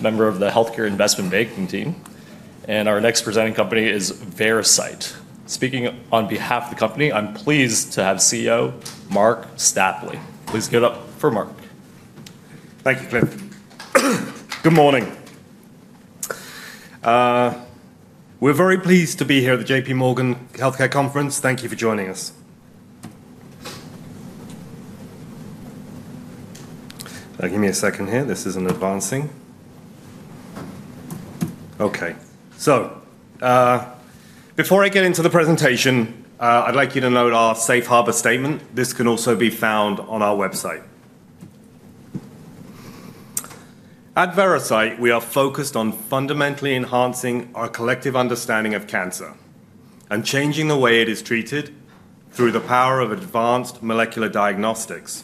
Member of the Healthcare Investment Banking Team. And our next presenting company is Veracyte. Speaking on behalf of the company, I'm pleased to have CEO Marc Stapley. Please give it up for Marc. Thank you, Cliff. Good morning. We're very pleased to be here at the JP Morgan Healthcare Conference. Thank you for joining us. Give me a second here. This isn't advancing. Okay. So before I get into the presentation, I'd like you to note our Safe Harbor Statement. This can also be found on our website. At Veracyte, we are focused on fundamentally enhancing our collective understanding of cancer and changing the way it is treated through the power of advanced molecular diagnostics.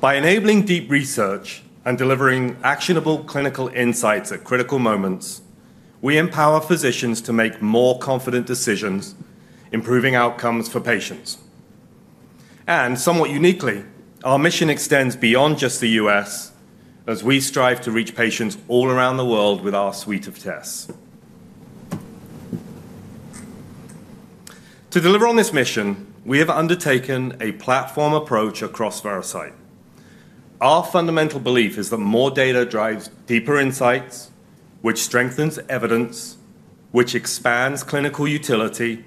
By enabling deep research and delivering actionable clinical insights at critical moments, we empower physicians to make more confident decisions, improving outcomes for patients. And somewhat uniquely, our mission extends beyond just the U.S., as we strive to reach patients all around the world with our suite of tests. To deliver on this mission, we have undertaken a platform approach across Veracyte. Our fundamental belief is that more data drives deeper insights, which strengthens evidence, which expands clinical utility,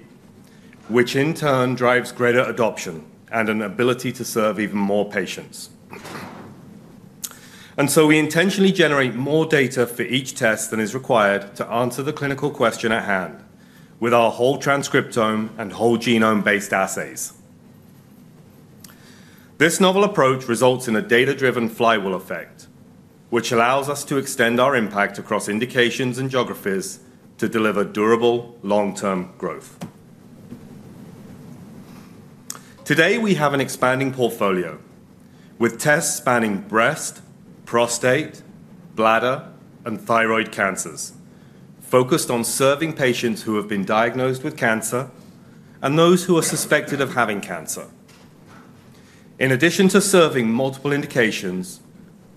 which in turn drives greater adoption and an ability to serve even more patients, and so we intentionally generate more data for each test than is required to answer the clinical question at hand, with our whole transcriptome and whole genome-based assays. This novel approach results in a data-driven flywheel effect, which allows us to extend our impact across indications and geographies to deliver durable long-term growth. Today, we have an expanding portfolio with tests spanning breast, prostate, bladder, and thyroid cancers, focused on serving patients who have been diagnosed with cancer and those who are suspected of having cancer. In addition to serving multiple indications,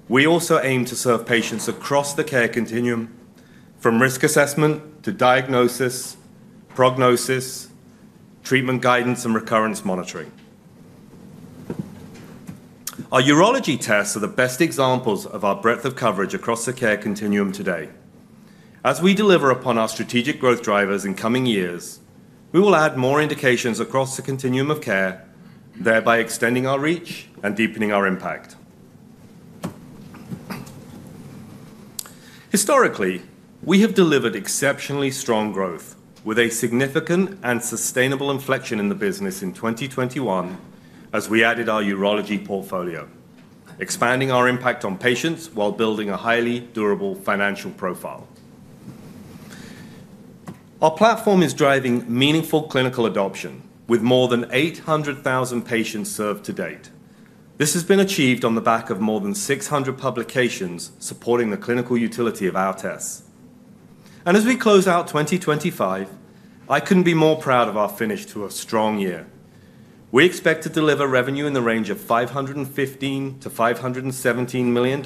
we also aim to serve patients across the care continuum, from risk assessment to diagnosis, prognosis, treatment guidance, and recurrence monitoring. Our urology tests are the best examples of our breadth of coverage across the care continuum today. As we deliver upon our strategic growth drivers in coming years, we will add more indications across the continuum of care, thereby extending our reach and deepening our impact. Historically, we have delivered exceptionally strong growth with a significant and sustainable inflection in the business in 2021 as we added our urology portfolio, expanding our impact on patients while building a highly durable financial profile. Our platform is driving meaningful clinical adoption with more than 800,000 patients served to date. This has been achieved on the back of more than 600 publications supporting the clinical utility of our tests, and as we close out 2025, I couldn't be more proud of our finish to a strong year. We expect to deliver revenue in the range of $515 million-$517 million,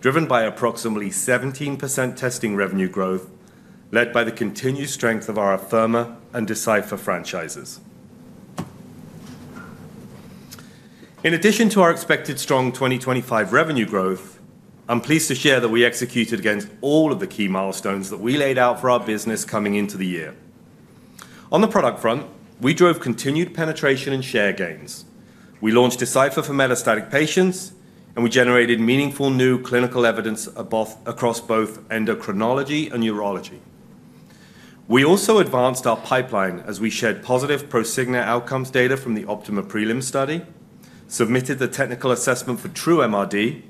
driven by approximately 17% testing revenue growth, led by the continued strength of our Afirma and Decipher franchises. In addition to our expected strong 2025 revenue growth, I'm pleased to share that we executed against all of the key milestones that we laid out for our business coming into the year. On the product front, we drove continued penetration and share gains. We launched Decipher for metastatic patients, and we generated meaningful new clinical evidence across both endocrinology and urology. We also advanced our pipeline as we shared positive ProSigna outcomes data from the OPTIMA Prelim study, submitted the technical assessment for True MRD,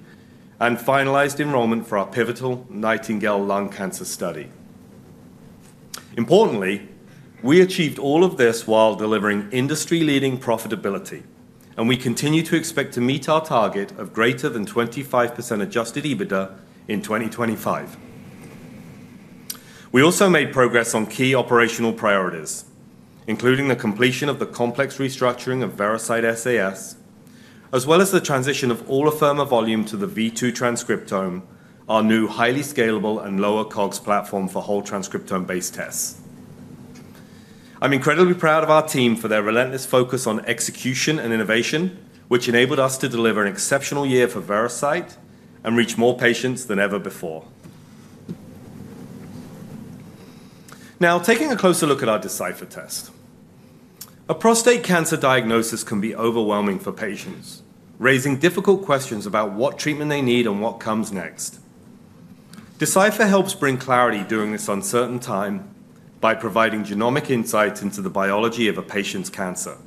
and finalized enrollment for our pivotal Nightingale lung cancer study. Importantly, we achieved all of this while delivering industry-leading profitability, and we continue to expect to meet our target of greater than 25% Adjusted EBITDA in 2025. We also made progress on key operational priorities, including the completion of the complex restructuring of Veracyte SAS, as well as the transition of all Afirma volume to the V2 transcriptome, our new highly scalable and lower COGS platform for whole transcriptome-based tests. I'm incredibly proud of our team for their relentless focus on execution and innovation, which enabled us to deliver an exceptional year for Veracyte and reach more patients than ever before. Now, taking a closer look at our Decipher test. A prostate cancer diagnosis can be overwhelming for patients, raising difficult questions about what treatment they need and what comes next. Decipher helps bring clarity during this uncertain time by providing genomic insights into the biology of a patient's cancer.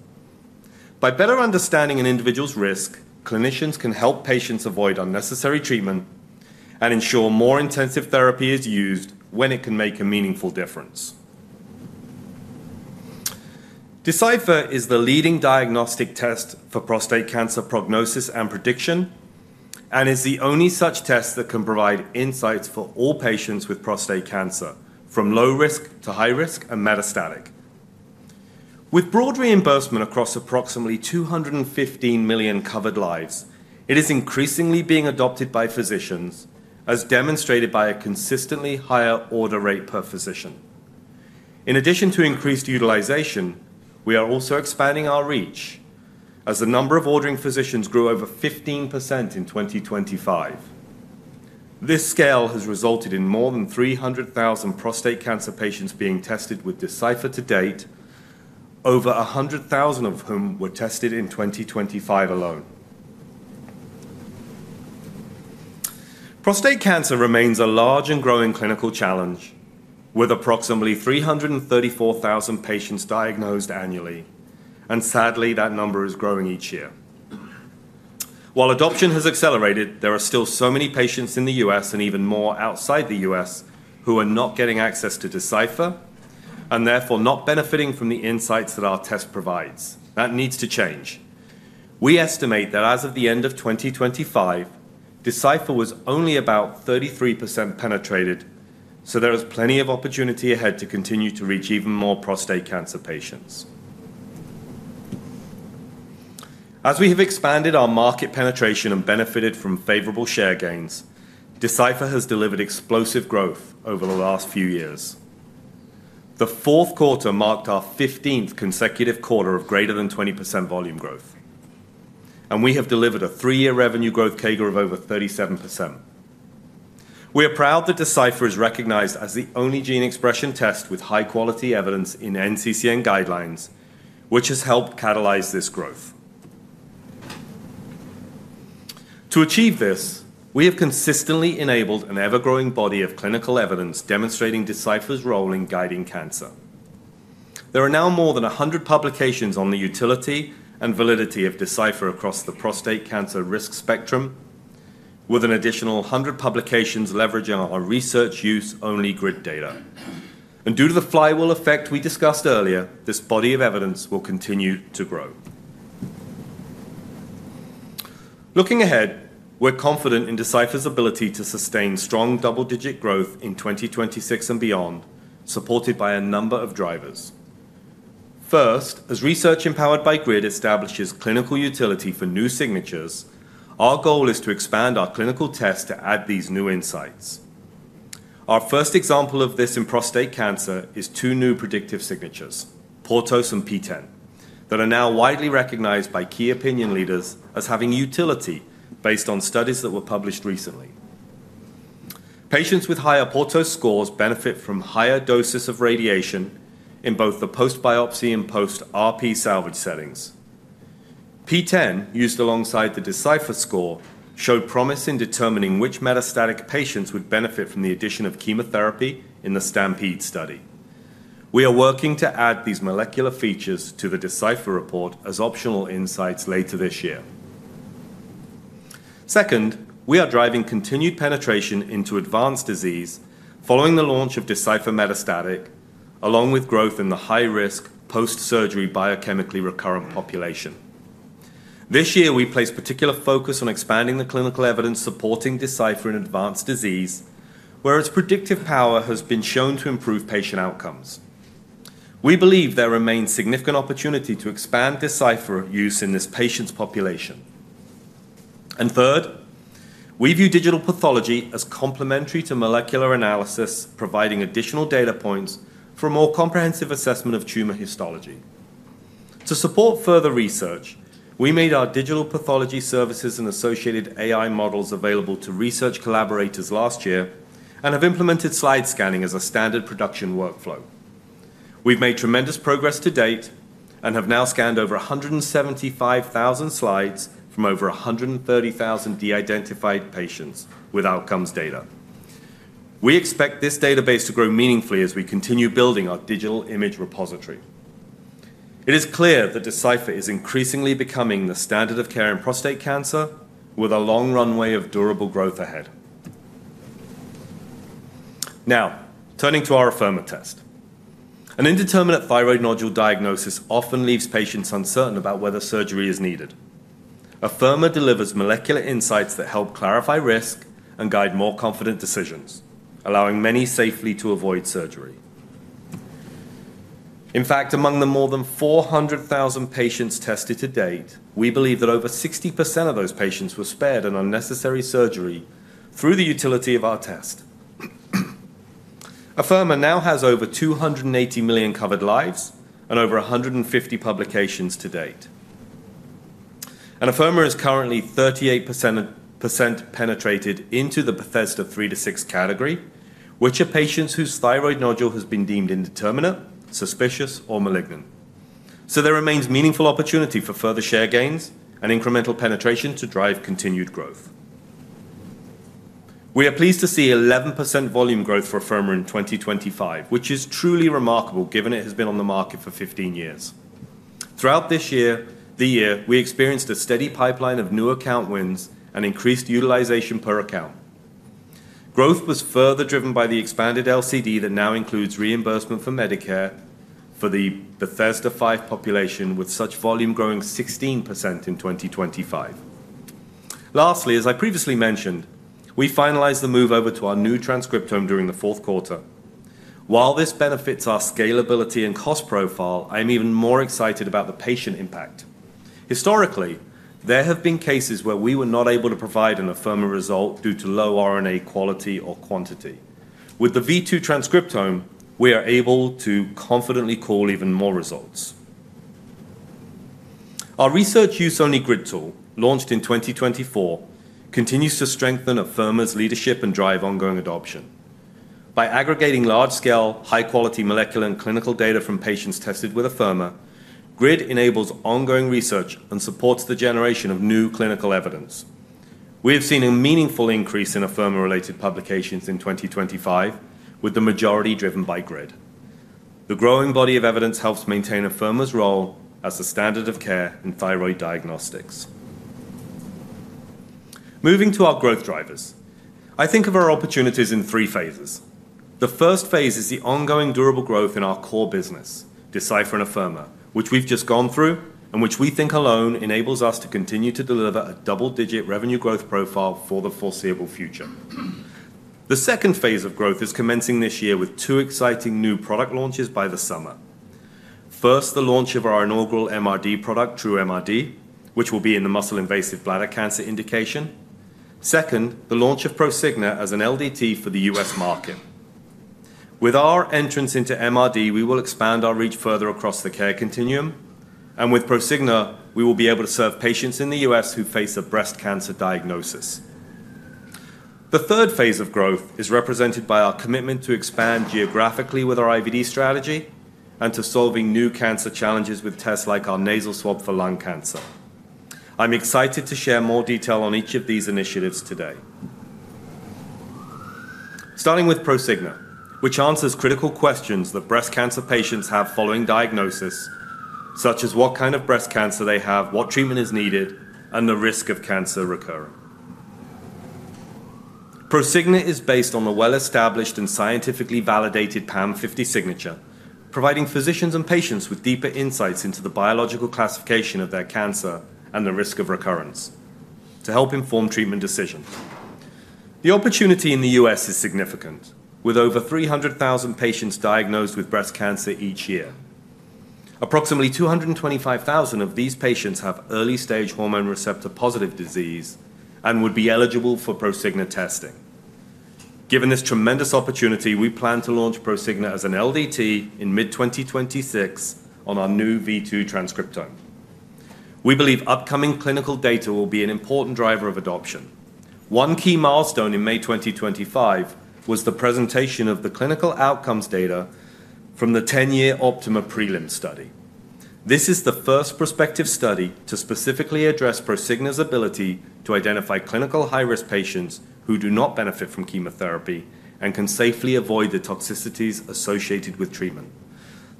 By better understanding an individual's risk, clinicians can help patients avoid unnecessary treatment and ensure more intensive therapy is used when it can make a meaningful difference. Decipher is the leading diagnostic test for prostate cancer prognosis and prediction and is the only such test that can provide insights for all patients with prostate cancer, from low risk to high risk and metastatic. With broad reimbursement across approximately 215 million covered lives, it is increasingly being adopted by physicians, as demonstrated by a consistently higher order rate per physician. In addition to increased utilization, we are also expanding our reach as the number of ordering physicians grew over 15% in 2025. This scale has resulted in more than 300,000 prostate cancer patients being tested with Decipher to date, over 100,000 of whom were tested in 2025 alone. Prostate cancer remains a large and growing clinical challenge, with approximately 334,000 patients diagnosed annually, and sadly, that number is growing each year. While adoption has accelerated, there are still so many patients in the U.S. and even more outside the U.S. who are not getting access to Decipher and therefore not benefiting from the insights that our test provides. That needs to change. We estimate that as of the end of 2025, Decipher was only about 33% penetrated, so there is plenty of opportunity ahead to continue to reach even more prostate cancer patients. As we have expanded our market penetration and benefited from favorable share gains, Decipher has delivered explosive growth over the last few years. The fourth quarter marked our 15th consecutive quarter of greater than 20% volume growth, and we have delivered a three-year revenue growth CAGR of over 37%. We are proud that Decipher is recognized as the only gene expression test with high-quality evidence in NCCN guidelines, which has helped catalyze this growth. To achieve this, we have consistently enabled an ever-growing body of clinical evidence demonstrating Decipher's role in guiding cancer. There are now more than 100 publications on the utility and validity of Decipher across the prostate cancer risk spectrum, with an additional 100 publications leveraging our research-use-only GRID data. Due to the flywheel effect we discussed earlier, this body of evidence will continue to grow. Looking ahead, we're confident in Decipher's ability to sustain strong double-digit growth in 2026 and beyond, supported by a number of drivers. First, as research empowered by GRID establishes clinical utility for new signatures, our goal is to expand our clinical tests to add these new insights. Our first example of this in prostate cancer is two new predictive signatures, PORTOS and PTEN, that are now widely recognized by key opinion leaders as having utility based on studies that were published recently. Patients with higher PORTOS scores benefit from higher doses of radiation in both the post-biopsy and post-RP salvage settings. PTEN, used alongside the Decipher score, showed promise in determining which metastatic patients would benefit from the addition of chemotherapy in the STAMPEDE study. We are working to add these molecular features to the Decipher report as optional insights later this year. Second, we are driving continued penetration into advanced disease following the launch of Decipher Metastatic, along with growth in the high-risk post-surgery biochemically recurrent population. This year, we place particular focus on expanding the clinical evidence supporting Decipher in advanced disease, where its predictive power has been shown to improve patient outcomes. We believe there remains significant opportunity to expand Decipher use in this patient's population. Third, we view digital pathology as complementary to molecular analysis, providing additional data points for a more comprehensive assessment of tumor histology. To support further research, we made our digital pathology services and associated AI models available to research collaborators last year and have implemented slide scanning as a standard production workflow. We've made tremendous progress to date and have now scanned over 175,000 slides from over 130,000 de-identified patients with outcomes data. We expect this database to grow meaningfully as we continue building our digital image repository. It is clear that Decipher is increasingly becoming the standard of care in prostate cancer, with a long runway of durable growth ahead. Now, turning to our Afirma test. An indeterminate thyroid nodule diagnosis often leaves patients uncertain about whether surgery is needed. Afirma delivers molecular insights that help clarify risk and guide more confident decisions, allowing many safely to avoid surgery. In fact, among the more than 400,000 patients tested to date, we believe that over 60% of those patients were spared an unnecessary surgery through the utility of our test. Afirma now has over 280 million covered lives and over 150 publications to date. Afirma is currently 38% penetrated into the Bethesda 3-6 category, which are patients whose thyroid nodule has been deemed indeterminate, suspicious, or malignant. There remains meaningful opportunity for further share gains and incremental penetration to drive continued growth. We are pleased to see 11% volume growth for Afirma in 2025, which is truly remarkable given it has been on the market for 15 years. Throughout this year, we experienced a steady pipeline of new account wins and increased utilization per account. Growth was further driven by the expanded LCD that now includes reimbursement for Medicare for the Bethesda 5 population, with such volume growing 16% in 2025. Lastly, as I previously mentioned, we finalized the move over to our new transcriptome during the fourth quarter. While this benefits our scalability and cost profile, I am even more excited about the patient impact. Historically, there have been cases where we were not able to provide an Afirma result due to low RNA quality or quantity. With the V2 transcriptome, we are able to confidently call even more results. Our research-use-only grid tool, launched in 2024, continues to strengthen Afirma's leadership and drive ongoing adoption. By aggregating large-scale, high-quality molecular and clinical data from patients tested with Afirma, grid enables ongoing research and supports the generation of new clinical evidence. We have seen a meaningful increase in Afirma-related publications in 2025, with the majority driven by Grid. The growing body of evidence helps maintain Afirma's role as the standard of care in thyroid diagnostics. Moving to our growth drivers, I think of our opportunities in three phases. The first phase is the ongoing durable growth in our core business, Decipher and Afirma, which we've just gone through and which we think alone enables us to continue to deliver a double-digit revenue growth profile for the foreseeable future. The second phase of growth is commencing this year with two exciting new product launches by the summer. First, the launch of our inaugural MRD product, True MRD, which will be in the muscle-invasive bladder cancer indication. Second, the launch of ProSigna as an LDT for the US market. With our entrance into MRD, we will expand our reach further across the care continuum, and with ProSigna, we will be able to serve patients in the U.S. who face a breast cancer diagnosis. The third phase of growth is represented by our commitment to expand geographically with our IVD strategy and to solving new cancer challenges with tests like our nasal swab for lung cancer. I'm excited to share more detail on each of these initiatives today. Starting with ProSigna, which answers critical questions that breast cancer patients have following diagnosis, such as what kind of breast cancer they have, what treatment is needed, and the risk of cancer recurring. ProSigna is based on the well-established and scientifically validated PAM50 signature, providing physicians and patients with deeper insights into the biological classification of their cancer and the risk of recurrence to help inform treatment decisions. The opportunity in the U.S. is significant, with over 300,000 patients diagnosed with breast cancer each year. Approximately 225,000 of these patients have early-stage hormone receptor-positive disease and would be eligible for ProSigna testing. Given this tremendous opportunity, we plan to launch ProSigna as an LDT in mid-2026 on our new V2 transcriptome. We believe upcoming clinical data will be an important driver of adoption. One key milestone in May 2025 was the presentation of the clinical outcomes data from the 10-year Optima Prelim study. This is the first prospective study to specifically address ProSigna's ability to identify clinical high-risk patients who do not benefit from chemotherapy and can safely avoid the toxicities associated with treatment.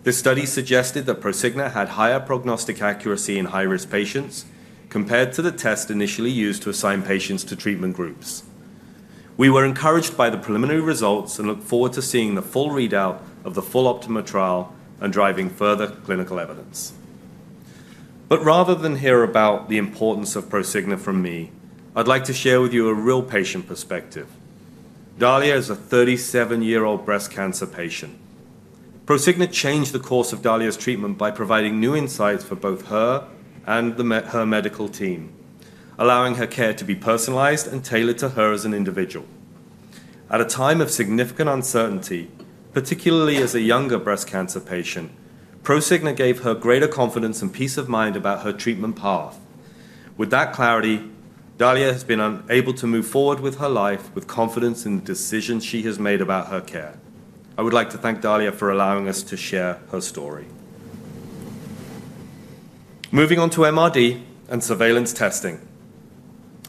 This study suggested that ProSigna had higher prognostic accuracy in high-risk patients compared to the test initially used to assign patients to treatment groups. We were encouraged by the preliminary results and look forward to seeing the full readout of the full OPTIMA trial and driving further clinical evidence, but rather than hear about the importance of ProSigna from me, I'd like to share with you a real patient perspective. Dalia is a 37-year-old breast cancer patient. ProSigna changed the course of Dalia's treatment by providing new insights for both her and her medical team, allowing her care to be personalized and tailored to her as an individual. At a time of significant uncertainty, particularly as a younger breast cancer patient, ProSigna gave her greater confidence and peace of mind about her treatment path. With that clarity, Dalia has been able to move forward with her life with confidence in the decisions she has made about her care. I would like to thank Dalia for allowing us to share her story. Moving on to MRD and surveillance testing.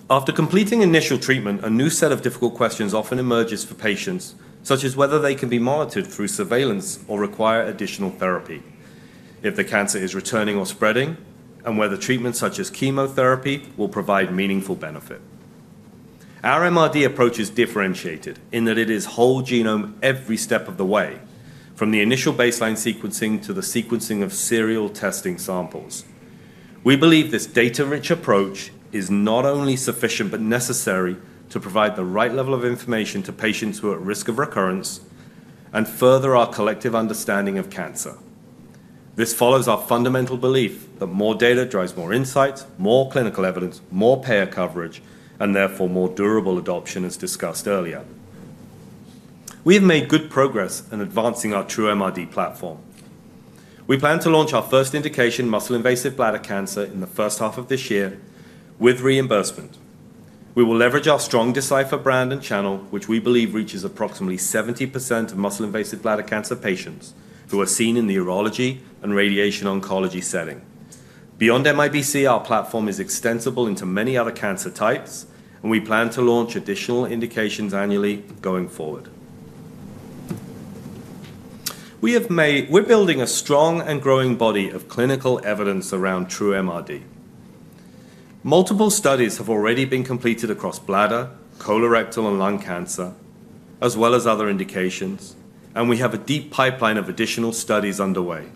After completing initial treatment, a new set of difficult questions often emerges for patients, such as whether they can be monitored through surveillance or require additional therapy, if the cancer is returning or spreading, and whether treatments such as chemotherapy will provide meaningful benefit. Our MRD approach is differentiated in that it is whole genome every step of the way, from the initial baseline sequencing to the sequencing of serial testing samples. We believe this data-rich approach is not only sufficient but necessary to provide the right level of information to patients who are at risk of recurrence and further our collective understanding of cancer. This follows our fundamental belief that more data drives more insights, more clinical evidence, more payer coverage, and therefore more durable adoption, as discussed earlier. We have made good progress in advancing our True MRD platform. We plan to launch our first indication muscle-invasive bladder cancer in the first half of this year with reimbursement. We will leverage our strong Decipher brand and channel, which we believe reaches approximately 70% of muscle-invasive bladder cancer patients who are seen in the urology and radiation oncology setting. Beyond MIBC, our platform is extensible into many other cancer types, and we plan to launch additional indications annually going forward. We're building a strong and growing body of clinical evidence around True MRD. Multiple studies have already been completed across bladder, colorectal, and lung cancer, as well as other indications, and we have a deep pipeline of additional studies underway.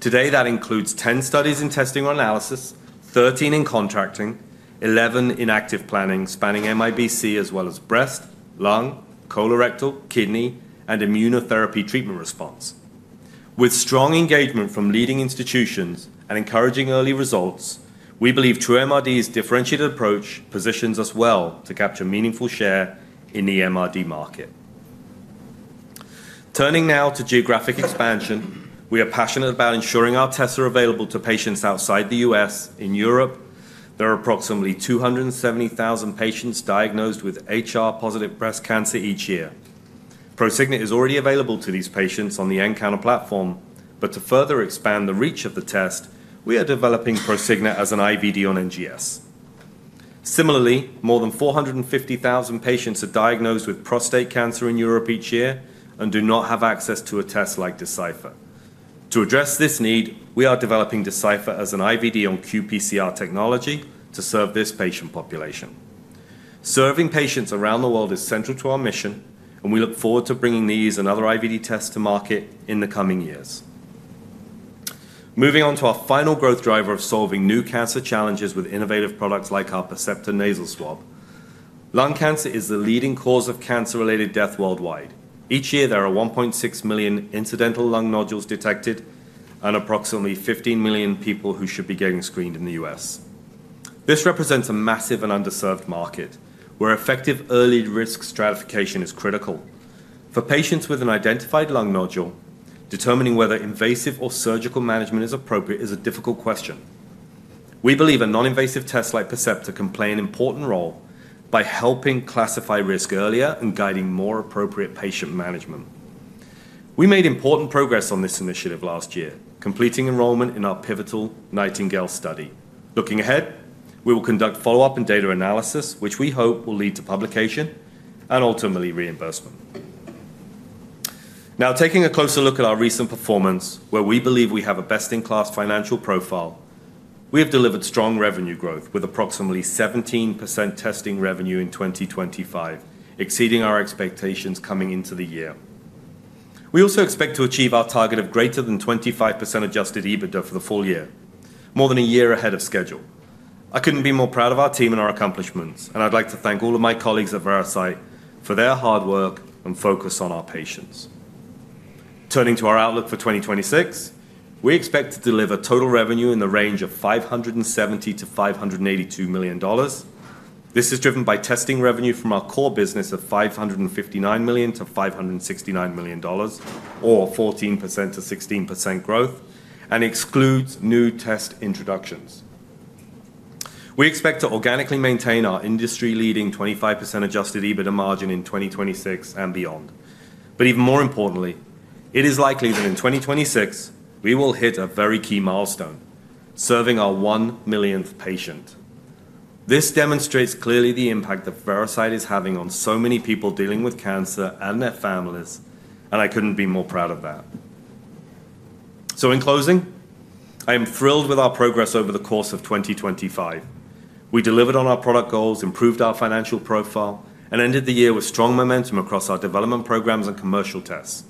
Today, that includes 10 studies in testing or analysis, 13 in contracting, 11 in active planning spanning MIBC, as well as breast, lung, colorectal, kidney, and immunotherapy treatment response. With strong engagement from leading institutions and encouraging early results, we believe True MRD's differentiated approach positions us well to capture meaningful share in the MRD market. Turning now to geographic expansion, we are passionate about ensuring our tests are available to patients outside the U.S. In Europe, there are approximately 270,000 patients diagnosed with HR-positive breast cancer each year. ProSigna is already available to these patients on the nCounter platform, but to further expand the reach of the test, we are developing ProSigna as an IVD on NGS. Similarly, more than 450,000 patients are diagnosed with prostate cancer in Europe each year and do not have access to a test like Decipher. To address this need, we are developing Decipher as an IVD on qPCR technology to serve this patient population. Serving patients around the world is central to our mission, and we look forward to bringing these and other IVD tests to market in the coming years. Moving on to our final growth driver of solving new cancer challenges with innovative products like our Percepta nasal swab. Lung cancer is the leading cause of cancer-related death worldwide. Each year, there are 1.6 million incidental lung nodules detected and approximately 15 million people who should be getting screened in the U.S. This represents a massive and underserved market where effective early risk stratification is critical. For patients with an identified lung nodule, determining whether invasive or surgical management is appropriate is a difficult question. We believe a non-invasive test like Bethesda can play an important role by helping classify risk earlier and guiding more appropriate patient management. We made important progress on this initiative last year, completing enrollment in our pivotal Nightingale study. Looking ahead, we will conduct follow-up and data analysis, which we hope will lead to publication and ultimately reimbursement. Now, taking a closer look at our recent performance, where we believe we have a best-in-class financial profile, we have delivered strong revenue growth with approximately 17% testing revenue in 2025, exceeding our expectations coming into the year. We also expect to achieve our target of greater than 25% Adjusted EBITDA for the full year, more than a year ahead of schedule. I couldn't be more proud of our team and our accomplishments, and I'd like to thank all of my colleagues at Veracyte for their hard work and focus on our patients. Turning to our outlook for 2026, we expect to deliver total revenue in the range of $570 million-$582 million. This is driven by testing revenue from our core business of $559 million-$569 million, or 14%-16% growth, and excludes new test introductions. We expect to organically maintain our industry-leading 25% adjusted EBITDA margin in 2026 and beyond. But even more importantly, it is likely that in 2026, we will hit a very key milestone, serving our one millionth patient. This demonstrates clearly the impact that Veracyte is having on so many people dealing with cancer and their families, and I couldn't be more proud of that. So, in closing, I am thrilled with our progress over the course of 2025. We delivered on our product goals, improved our financial profile, and ended the year with strong momentum across our development programs and commercial tests.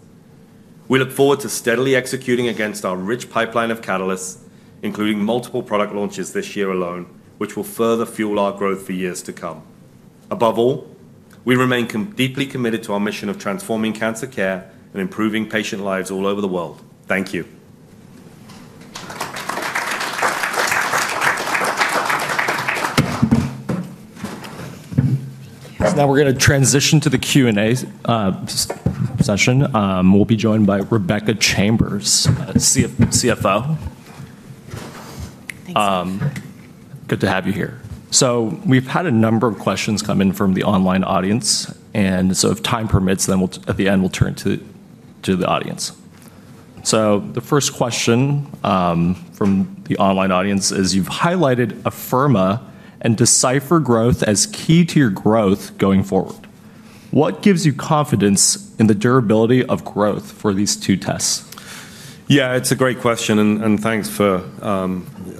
We look forward to steadily executing against our rich pipeline of catalysts, including multiple product launches this year alone, which will further fuel our growth for years to come. Above all, we remain deeply committed to our mission of transforming cancer care and improving patient lives all over the world. Thank you. Now we're going to transition to the Q&A session. We'll be joined by Rebecca Chambers, CFO. Good to have you here. So we've had a number of questions come in from the online audience, and so if time permits, then at the end, we'll turn to the audience. So the first question from the online audience is, you've highlighted Afirma and Decipher growth as key to your growth going forward. What gives you confidence in the durability of growth for these two tests? Yeah, it's a great question, and thanks for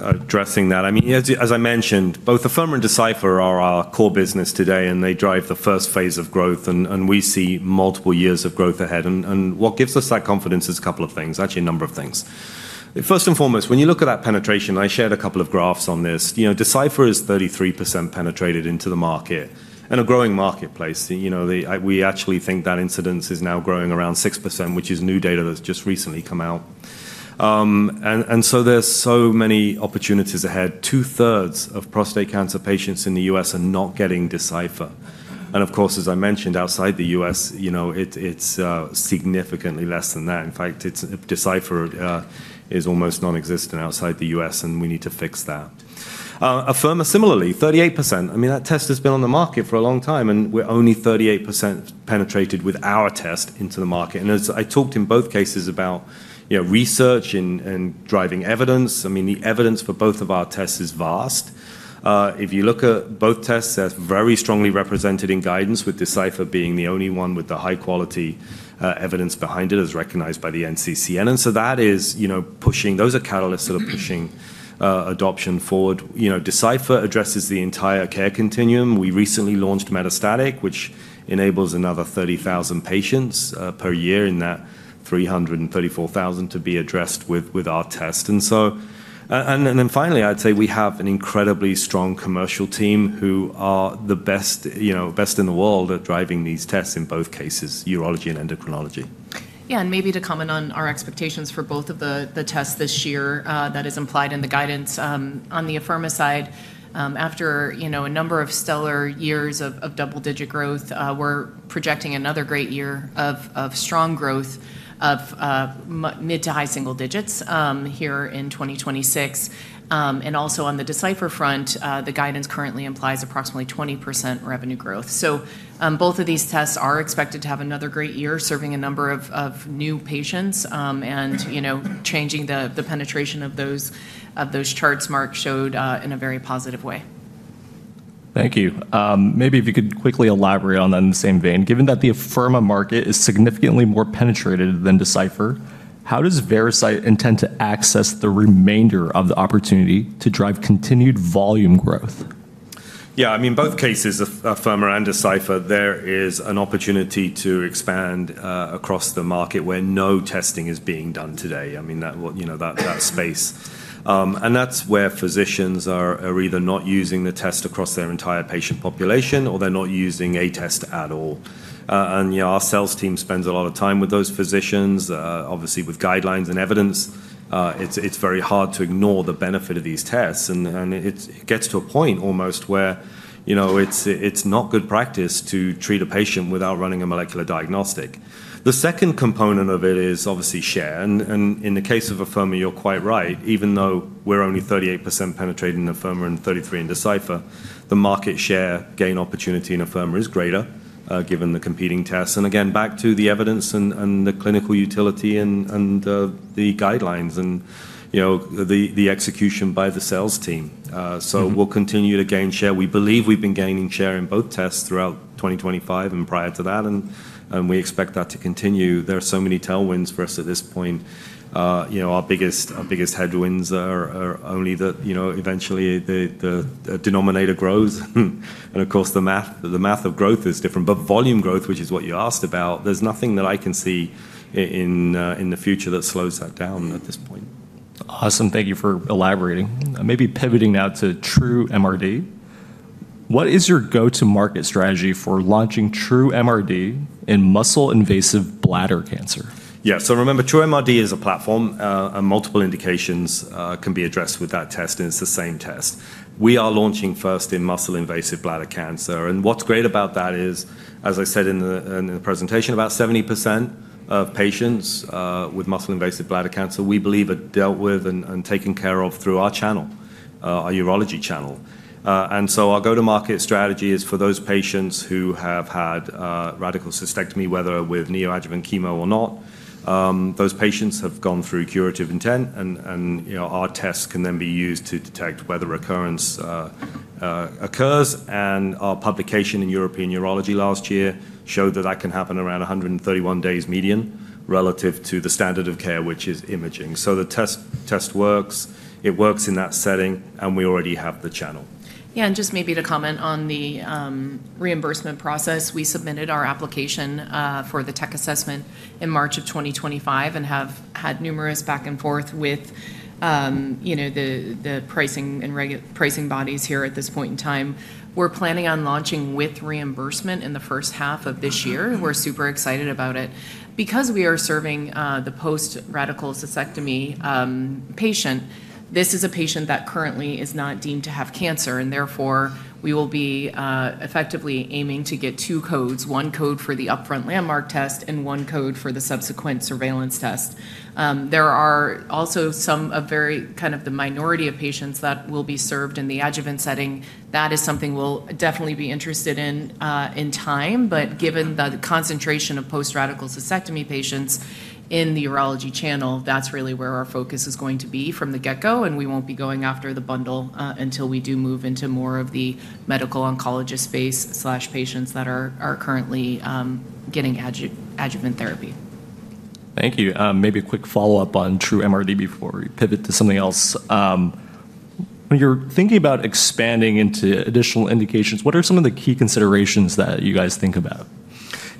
addressing that. I mean, as I mentioned, both Afirma and Decipher are our core business today, and they drive the first phase of growth, and we see multiple years of growth ahead, and what gives us that confidence is a couple of things, actually a number of things. First and foremost, when you look at that penetration, I shared a couple of graphs on this. Decipher is 33% penetrated into the market and a growing marketplace. We actually think that incidence is now growing around 6%, which is new data that's just recently come out, and so there's so many opportunities ahead. Two-thirds of prostate cancer patients in the U.S. are not getting Decipher, and of course, as I mentioned, outside the U.S., it's significantly less than that. In fact, Decipher is almost nonexistent outside the U.S., and we need to fix that. Afirma, similarly, 38%. I mean, that test has been on the market for a long time, and we're only 38% penetrated with our test into the market. As I talked in both cases about research and driving evidence, I mean, the evidence for both of our tests is vast. If you look at both tests, they're very strongly represented in guidance, with Decipher being the only one with the high-quality evidence behind it as recognized by the NCCN. So that is pushing. Those are catalysts that are pushing adoption forward. Decipher addresses the entire care continuum. We recently launched Decipher Metastatic, which enables another 30,000 patients per year in that 334,000 to be addressed with our test. Then finally, I'd say we have an incredibly strong commercial team who are the best in the world at driving these tests in both cases, urology and endocrinology. Yeah, and maybe to comment on our expectations for both of the tests this year that is implied in the guidance on the Afirma side. After a number of stellar years of double-digit growth, we're projecting another great year of strong growth of mid to high single digits here in 2026. And also on the Decipher front, the guidance currently implies approximately 20% revenue growth. So both of these tests are expected to have another great year, serving a number of new patients and changing the penetration of those charts Marc showed in a very positive way. Thank you. Maybe if you could quickly elaborate on that in the same vein, given that the Afirma market is significantly more penetrated than Decipher, how does Veracyte intend to access the remainder of the opportunity to drive continued volume growth? Yeah, I mean, both cases, Afirma and Decipher, there is an opportunity to expand across the market where no testing is being done today. I mean, that space. And that's where physicians are either not using the test across their entire patient population or they're not using a test at all. And our sales team spends a lot of time with those physicians, obviously with guidelines and evidence. It's very hard to ignore the benefit of these tests. And it gets to a point almost where it's not good practice to treat a patient without running a molecular diagnostic. The second component of it is obviously share. And in the case of Afirma, you're quite right. Even though we're only 38% penetrated in Afirma and 33% in Decipher, the market share gain opportunity in Afirma is greater given the competing tests. Again, back to the evidence and the clinical utility and the guidelines and the execution by the sales team. We'll continue to gain share. We believe we've been gaining share in both tests throughout 2025 and prior to that, and we expect that to continue. There are so many tailwinds for us at this point. Our biggest headwinds are only that eventually the denominator grows. Of course, the math of growth is different. Volume growth, which is what you asked about, there's nothing that I can see in the future that slows that down at this point. Awesome. Thank you for elaborating. Maybe pivoting now to True MRD. What is your go-to-market strategy for launching True MRD in muscle-invasive bladder cancer? Yeah, so remember, True MRD is a platform. Multiple indications can be addressed with that test, and it's the same test. We are launching first in muscle-invasive bladder cancer. And what's great about that is, as I said in the presentation, about 70% of patients with muscle-invasive bladder cancer, we believe, are dealt with and taken care of through our channel, our urology channel. And so our go-to-market strategy is for those patients who have had radical cystectomy, whether with neoadjuvant chemo or not. Those patients have gone through curative intent, and our tests can then be used to detect whether recurrence occurs. And our publication in European Urology last year showed that that can happen around 131 days median relative to the standard of care, which is imaging. So the test works. It works in that setting, and we already have the channel. Yeah, and just maybe to comment on the reimbursement process, we submitted our application for the tech assessment in March of 2025 and have had numerous back and forth with the pricing bodies here at this point in time. We're planning on launching with reimbursement in the first half of this year. We're super excited about it. Because we are serving the post-radical cystectomy patient, this is a patient that currently is not deemed to have cancer, and therefore we will be effectively aiming to get two codes, one code for the upfront landmark test and one code for the subsequent surveillance test. There are also some of very kind of the minority of patients that will be served in the adjuvant setting. That is something we'll definitely be interested in in time. But given the concentration of post-radical cystectomy patients in the urology channel, that's really where our focus is going to be from the get-go, and we won't be going after the bundle until we do move into more of the medical oncologist space, patients that are currently getting adjuvant therapy. Thank you. Maybe a quick follow-up on True MRD before we pivot to something else. When you're thinking about expanding into additional indications, what are some of the key considerations that you guys think about?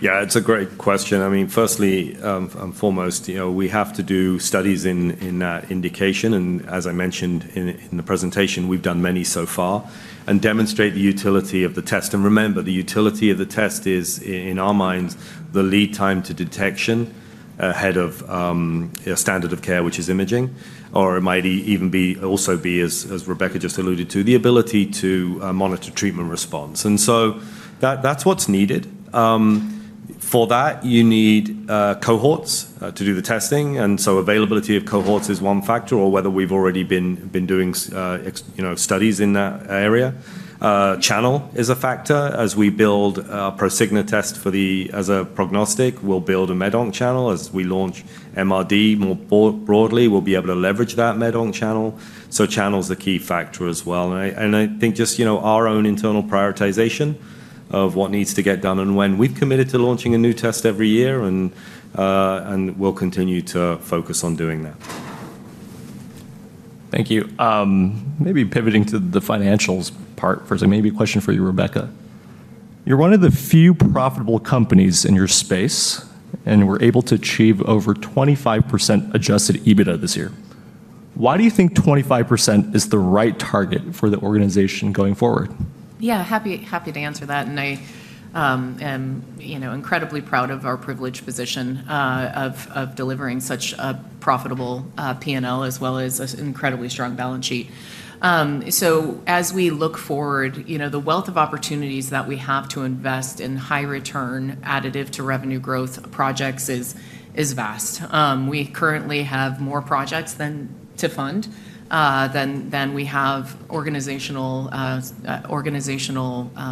Yeah, it's a great question. I mean, firstly and foremost, we have to do studies in that indication. And as I mentioned in the presentation, we've done many so far and demonstrate the utility of the test. And remember, the utility of the test is, in our minds, the lead time to detection ahead of a standard of care, which is imaging, or it might even also be, as Rebecca just alluded to, the ability to monitor treatment response. And so that's what's needed. For that, you need cohorts to do the testing. And so availability of cohorts is one factor, or whether we've already been doing studies in that area. Channel is a factor. As we build a ProSigna test as a prognostic, we'll build a MedOnc channel. As we launch MRD more broadly, we'll be able to leverage that MedOnc channel. So channel is the key factor as well. And I think just our own internal prioritization of what needs to get done and when. We've committed to launching a new test every year, and we'll continue to focus on doing that. Thank you. Maybe pivoting to the financials part first, maybe a question for you, Rebecca. You're one of the few profitable companies in your space, and we're able to achieve over 25% Adjusted EBITDA this year. Why do you think 25% is the right target for the organization going forward? Yeah, happy to answer that. And I am incredibly proud of our privileged position of delivering such a profitable P&L as well as an incredibly strong balance sheet. So as we look forward, the wealth of opportunities that we have to invest in high-return, additive-to-revenue growth projects is vast. We currently have more projects to fund than we have organizational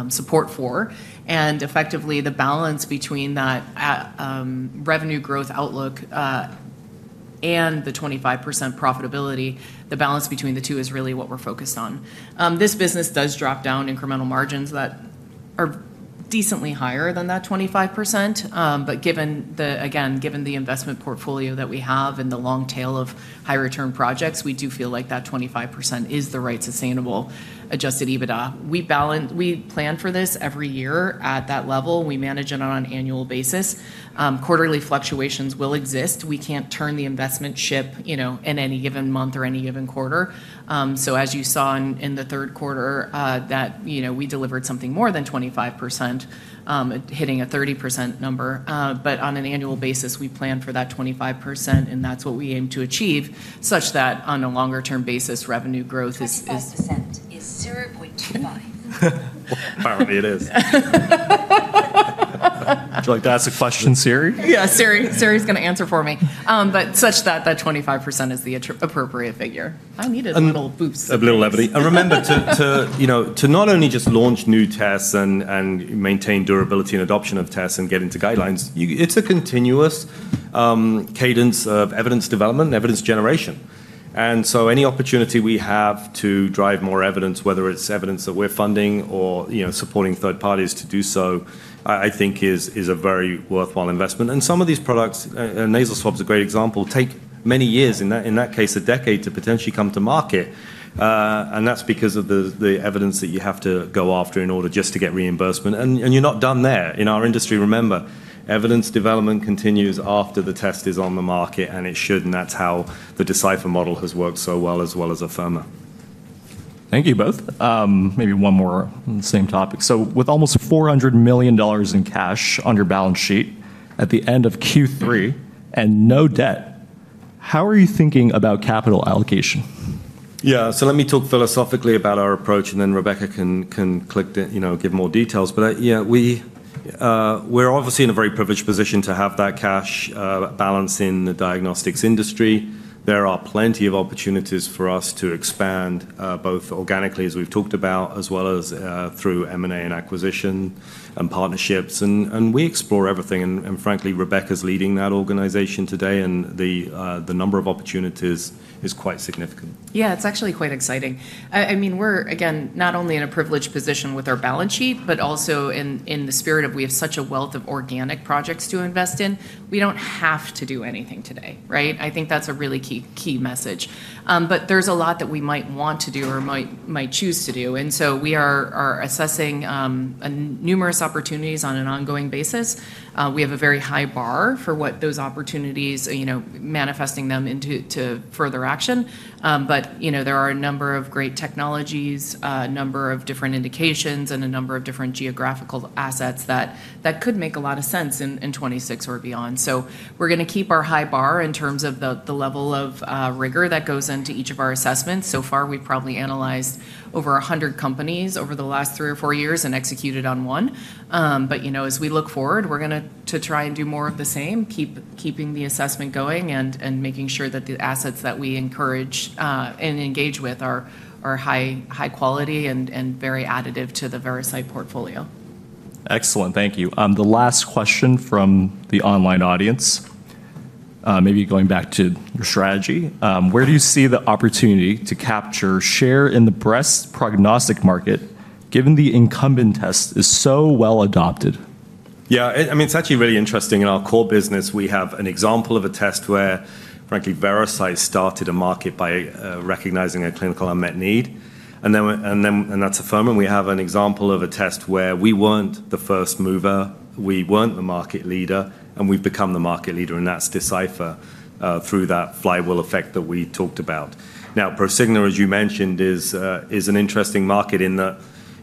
support for. And effectively, the balance between that revenue growth outlook and the 25% profitability, the balance between the two is really what we're focused on. This business does drop down incremental margins that are decently higher than that 25%. But again, given the investment portfolio that we have and the long tail of high-return projects, we do feel like that 25% is the right sustainable Adjusted EBITDA. We plan for this every year at that level. We manage it on an annual basis. Quarterly fluctuations will exist. We can't turn the investment ship in any given month or any given quarter. So as you saw in the third quarter, we delivered something more than 25%, hitting a 30% number. But on an annual basis, we plan for that 25%, and that's what we aim to achieve, such that on a longer-term basis, revenue growth is 0.25. Apparently, it is. Would you like to ask a question, Siri? Yeah, Siri's going to answer for me. But such that that 25% is the appropriate figure. I needed a little boost. A little levity. And remember to not only just launch new tests and maintain durability and adoption of tests and get into guidelines. It's a continuous cadence of evidence development and evidence generation. And so any opportunity we have to drive more evidence, whether it's evidence that we're funding or supporting third parties to do so, I think is a very worthwhile investment. And some of these products, nasal swabs are a great example, take many years, in that case, a decade to potentially come to market. And that's because of the evidence that you have to go after in order just to get reimbursement. And you're not done there. In our industry, remember, evidence development continues after the test is on the market, and it should. And that's how the Decipher model has worked so well as well as Afirma. Thank you both. Maybe one more on the same topic. So with almost $400 million in cash on your balance sheet at the end of Q3 and no debt, how are you thinking about capital allocation? Yeah, so let me talk philosophically about our approach, and then Rebecca can give more details. But we're obviously in a very privileged position to have that cash balance in the diagnostics industry. There are plenty of opportunities for us to expand both organically, as we've talked about, as well as through M&A and acquisition and partnerships. And we explore everything. And frankly, Rebecca's leading that organization today, and the number of opportunities is quite significant. Yeah, it's actually quite exciting. I mean, we're, again, not only in a privileged position with our balance sheet, but also in the spirit of we have such a wealth of organic projects to invest in, we don't have to do anything today, right? I think that's a really key message. But there's a lot that we might want to do or might choose to do. And so we are assessing numerous opportunities on an ongoing basis. We have a very high bar for what those opportunities, manifesting them into further action. But there are a number of great technologies, a number of different indications, and a number of different geographical assets that could make a lot of sense in 2026 or beyond. So we're going to keep our high bar in terms of the level of rigor that goes into each of our assessments. So far, we've probably analyzed over 100 companies over the last three or four years and executed on one. But as we look forward, we're going to try and do more of the same, keeping the assessment going and making sure that the assets that we encourage and engage with are high quality and very additive to the Veracyte portfolio. Excellent. Thank you. The last question from the online audience. Maybe going back to your strategy. Where do you see the opportunity to capture share in the breast prognostic market, given the incumbent test is so well adopted? Yeah, I mean, it's actually really interesting. In our core business, we have an example of a test where, frankly, Veracyte started a market by recognizing a clinical unmet need. And then at Afirma, we have an example of a test where we weren't the first mover. We weren't the market leader, and we've become the market leader. And that's Decipher through that flywheel effect that we talked about. Now, ProSigna, as you mentioned, is an interesting market in that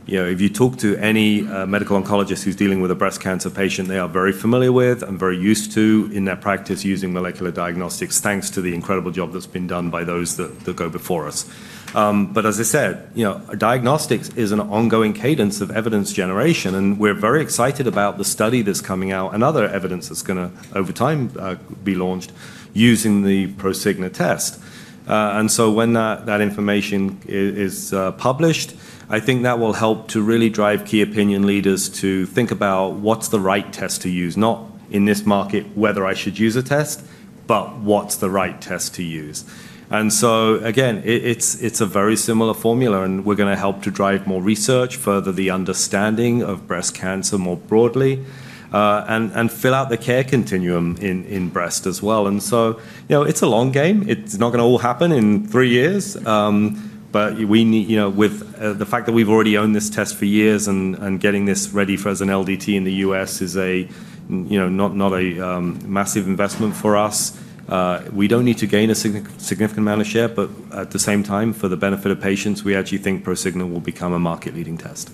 if you talk to any medical oncologist who's dealing with a breast cancer patient, they are very familiar with and very used to, in their practice, using molecular diagnostics, thanks to the incredible job that's been done by those that go before us. But as I said, diagnostics is an ongoing cadence of evidence generation. And we're very excited about the study that's coming out and other evidence that's going to, over time, be launched using the ProSigna test. And so when that information is published, I think that will help to really drive key opinion leaders to think about what's the right test to use, not in this market, whether I should use a test, but what's the right test to use. And so, again, it's a very similar formula, and we're going to help to drive more research, further the understanding of breast cancer more broadly, and fill out the care continuum in breast as well. And so it's a long game. It's not going to all happen in three years. But with the fact that we've already owned this test for years and getting this ready for us in LDT in the U.S. is not a massive investment for us. We don't need to gain a significant amount of share. But at the same time, for the benefit of patients, we actually think ProSigna will become a market-leading test.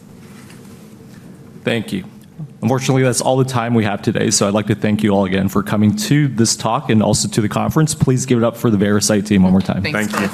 Thank you. Unfortunately, that's all the time we have today. So I'd like to thank you all again for coming to this talk and also to the conference. Please give it up for the Veracyte team one more time. Thank you.